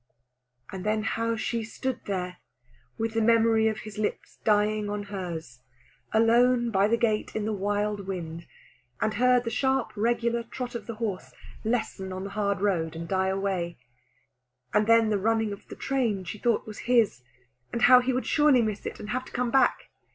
And then how she stood there with the memory of his lips dying on hers, alone by the gate, in the wild wind, and heard the sharp regular trot of the horse lessen on the hard road and die away, and then the running of a train she thought was his, and how he would surely miss it, and have to come back.